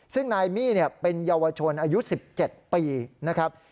ซึ่งนายมี่เป็นเยาวชนอายุ๑๗ปีนะครับ